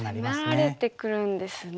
迫られてくるんですね。